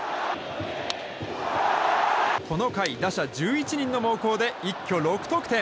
この回、打者１１人の猛攻で一挙６得点！